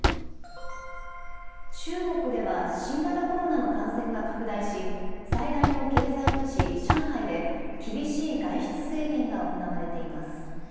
中国では新型コロナの感染が拡大し、最大の経済都市、上海で厳しい外出制限が行われています。